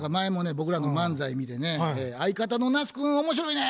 僕らの漫才見てね「相方の那須君は面白いね！」